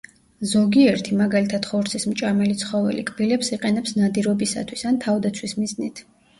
ზოგიერთი, მაგალითად ხორცის მჭამელი ცხოველი კბილებს იყენებს ნადირობისათვის ან თავდაცვის მიზნით.